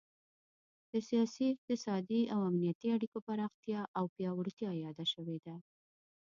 د سیاسي، اقتصادي او امنیتي اړیکو پراختیا او پیاوړتیا یاده شوې ده